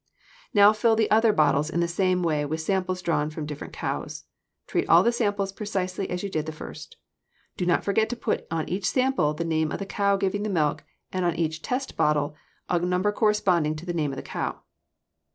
Now fill the other bottles in the same way with samples drawn from different cows. Treat all the samples precisely as you did the first. Do not forget to put on each sample the name of the cow giving the milk and on each test bottle a number corresponding to the name of the cow.